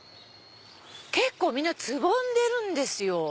結構みんなつぼんでるんですよ。